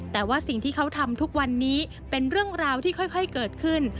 แต่ว่าสิ่งที่เขาทำทุกวันนี้เป็นเรื่องราวที่ค่อยเกิดขึ้น